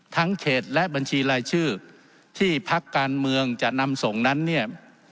เขตและบัญชีรายชื่อที่พักการเมืองจะนำส่งนั้นเนี่ย